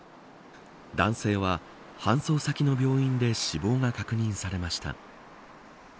男性は、搬送先の病院で死亡が確認されました。